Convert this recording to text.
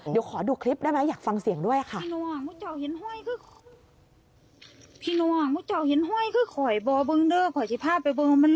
เดี๋ยวขอดูคลิปได้ไหมอยากฟังเสียงด้วยค่ะ